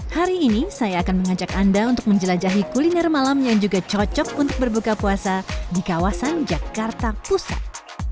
hari ini saya akan mengajak anda untuk menjelajahi kuliner malam yang juga cocok untuk berbuka puasa di kawasan jakarta pusat